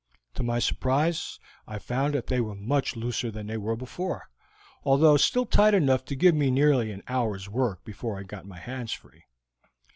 "To my surprise I found that they were much looser than they were before, although still tight enough to give me nearly an hour's work before I got my hands free.